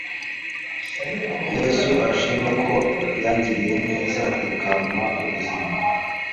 Yesu ishimwe ko yangiriye neza ikampa ubuzima